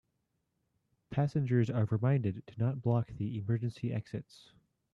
Passengers are reminded not to block the emergency exits.